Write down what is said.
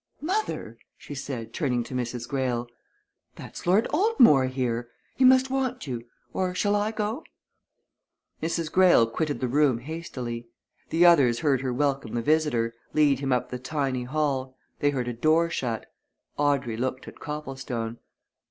"Mother!" she said, turning to Mrs. Greyle. "There's Lord Altmore here! He must want you. Or shall I go?" Mrs. Greyle quitted the room hastily. The others heard her welcome the visitor, lead him up the tiny hall; they heard a door shut. Audrey looked at Copplestone.